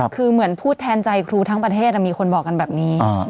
คือเหมือนพูดแทนใจครูทั้งประเทศมีคนบอกกันแบบนี้